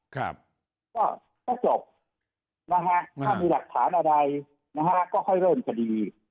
ก็ก็จบนะฮะถ้ามีหลักฐานอะไรนะฮะก็ค่อยเริ่มคดี